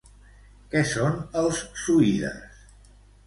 Què són els Suides?